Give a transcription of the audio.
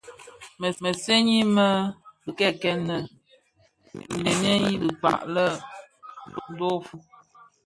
Mësëňi mË bikekel mèn ndheňiyên bi dhikpag lè dofon.